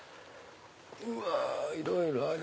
うわいろいろある。